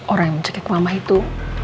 orang yang mencekik mama itu